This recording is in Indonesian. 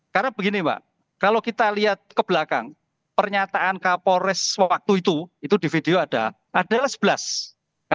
karena begini mbak kalau kita lihat ke belakang pernyataan kapolres waktu itu itu di video ada adalah sebelas